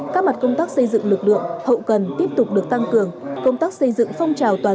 các mặt công tác xây dựng lực lượng hậu cần tiếp tục được tăng cường công tác xây dựng phong trào toàn dân